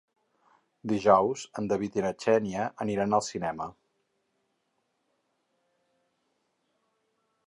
Dijous en David i na Xènia aniran al cinema.